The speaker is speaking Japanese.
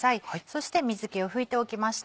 そして水気を拭いておきました。